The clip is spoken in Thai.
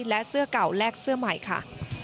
และเสื้อเก่าแลกเสื้อใหม่ค่ะ